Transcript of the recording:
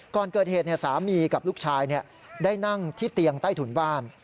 ก่อนเกิดเหตุสามีกับลูกชายได้นั่งที่เตียงใต้ถุนบ้าน